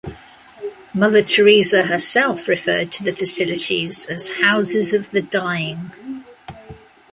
Mother Teresa herself referred to the facilities as "Houses of the Dying".